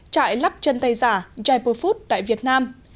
trại lắp chân tay giả jaipur food tại việt nam